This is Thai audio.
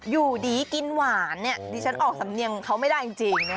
อยู่ดีกินหวานเนี่ยดิฉันออกสำเนียงเขาไม่ได้จริงนะ